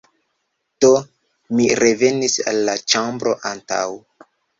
Do, mi revenis al la ĉambro antaŭ